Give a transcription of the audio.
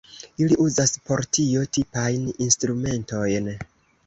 Ili uzas por tio tipajn instrumentojn.